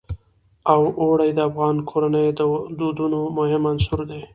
اوړي د افغان کورنیو د دودونو مهم عنصر دی.